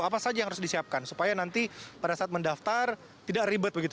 apa saja yang harus disiapkan supaya nanti pada saat mendaftar tidak ribet begitu